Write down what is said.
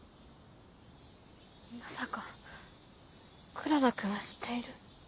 まさか黒田君は知っている？